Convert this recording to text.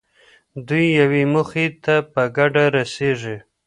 دوی یوې موخې ته په ګډه رسېږي.